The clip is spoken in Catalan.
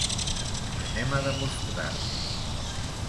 Anem a demostrar-ho.